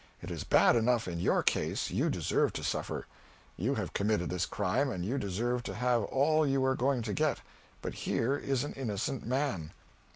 It is bad enough in your case, you deserve to suffer. You have committed this crime, and you deserve to have all you are going to get. But here is an innocent man.